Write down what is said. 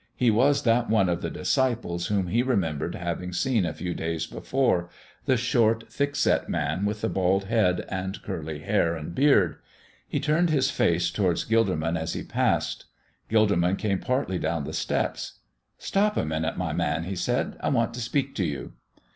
He was that one of the disciples whom he remembered having seen a few days before the short, thick set man with the bald head and curly hair and beard. He turned his face towards Gilderman as he passed. Gilderman came partly down the steps. "Stop a minute, my man," he said; "I want to speak to you."